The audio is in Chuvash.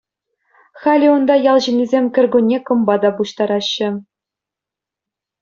Халӗ унта ял ҫыннисем кӗркунне кӑмпа та пуҫтараҫҫӗ.